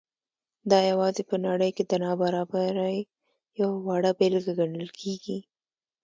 دا یوازې په نړۍ کې د نابرابرۍ یوه وړه بېلګه ګڼل کېږي.